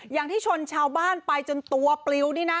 อย่างที่ชนชาวบ้านไปจนตัวปลิวนี่นะ